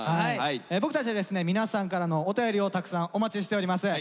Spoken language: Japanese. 僕たちはですね皆さんからのお便りをたくさんお待ちしております。